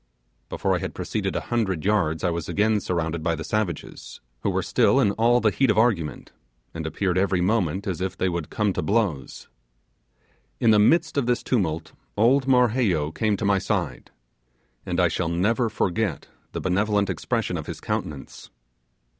Before I had proceeded a hundred yards I was again surrounded by the savages, who were still in all the heat of argument, and appeared every moment as if they would come to blows. In the midst of this tumult old Marheyo came to my side, and I shall never forget the benevolent expression of his countenance.